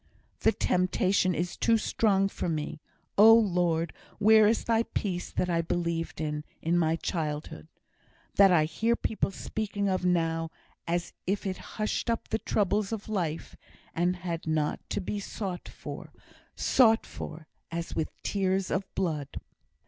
"The temptation is too strong for me. Oh Lord! where is Thy peace that I believed in, in my childhood? that I hear people speaking of now, as if it hushed up the troubles of life, and had not to be sought for sought for, as with tears of blood!"